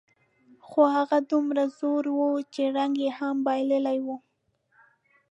خو هغه دومره زوړ و، چې رنګ یې هم بایللی و.